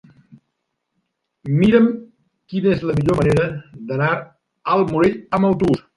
Mira'm quina és la millor manera d'anar al Morell amb autobús.